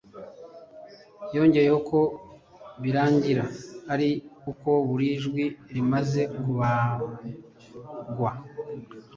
Yongeyeho ko "birangira ari uko buri jwi rimaze kubarwa".